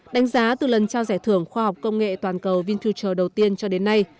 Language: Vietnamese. đánh giá từ lần trao giải thưởng khoa học công nghệ toàn cầu vinfuture đầu tiên cho đến nay